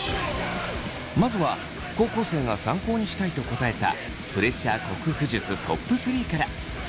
まずは高校生が参考にしたいと答えたプレッシャー克服術トップ３から。